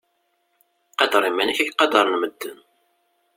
Qader iman-ik ad ak-qadren medden.